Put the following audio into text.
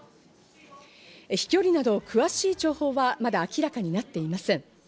飛距離など詳しい情報はまだ明らかになっていません。